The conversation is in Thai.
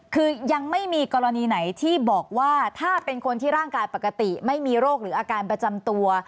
คือยังไม่มีกรณีไหนที่บอกว่าถ้าเป็นคนที่ร่างกายปกติไม่มีโรคหรืออาการประจำตัว